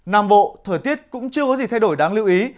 nam bộ thời tiết cũng chưa có gì thay đổi đáng lưu ý